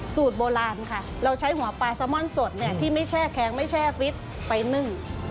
สูตรโบราณค่ะเราใช้หัวปลาซาม่อนสดเนี่ยที่ไม่แช่แข็งไม่แช่ฟิตไปนึ่ง